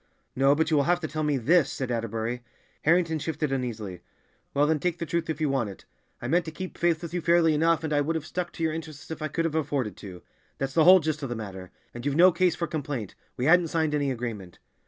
"No, but you will have to tell me this," said Atterbury. Harrington shifted uneasily. "Well, then, take the truth if you want it. I meant to keep faith with you fairly enough, and I would have stuck to your interests if I could have afforded to—that's the whole gist of the matter. And you've no case for complaint; we hadn't signed any agreement."